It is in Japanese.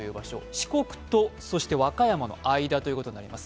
四国と和歌山の間ということになります。